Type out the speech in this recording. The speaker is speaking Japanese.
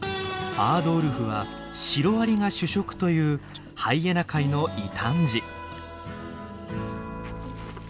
アードウルフはシロアリが主食というハイエナ界の異端児。